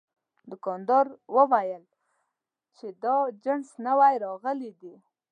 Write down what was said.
دوکاندار وویل چې دا جنس نوي راغلي دي.